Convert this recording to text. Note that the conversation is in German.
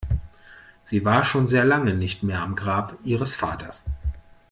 Sie war schon sehr lange nicht mehr am Grab ihres Vaters.